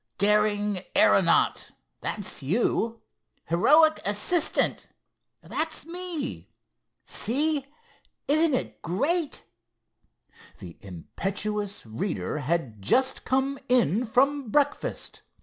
'Daring aeronaut'—that's you. 'Heroic assistant'—that's me. See, isn't it great!" The impetuous speaker had just come in from breakfast.